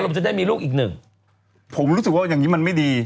มันจะได้มีลูกอีกหนึ่งผมรู้สึกว่าอย่างงี้มันไม่ดี